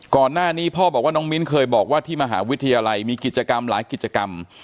ก่อนหน้านี้พ่อบอกว่าน้องมิ้นเคยบอกว่าที่มหาวิทยาลัยมีกิจกรรมหลายกิจกรรม